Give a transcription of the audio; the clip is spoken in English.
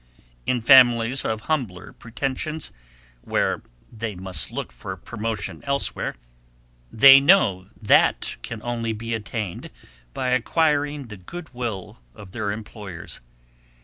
In families of humbler pretensions, where they must look for promotion elsewhere, they know that can only be attained by acquiring the goodwill of their employers.